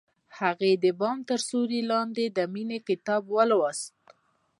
هغې د بام تر سیوري لاندې د مینې کتاب ولوست.